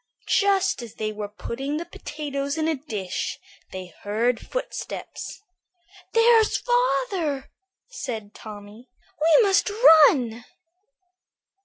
Just as they were putting the potatoes in a dish they heard footsteps. "There's father," said Tommy; "we must run."